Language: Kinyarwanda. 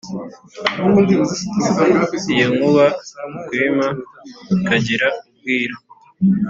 Iyo nkuba Rwema ikagira ubwira